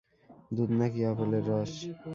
দুধ নাকি আপেলের রস?